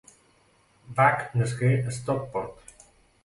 Back nasqué a Stockport.